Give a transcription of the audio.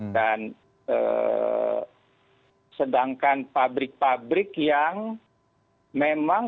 dan sedangkan pabrik pabrik yang memang pekerjaan